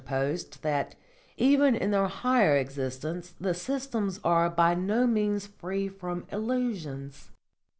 "It is evident," I interposed, "that even in their higher existence the systems are by no means free from illusions."